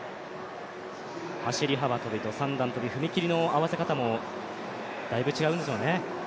走幅跳と三段跳、踏切の合わせ方もだいぶ違うんですよね。